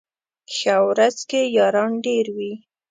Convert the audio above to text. ښه ورځ کي ياران ډېر وي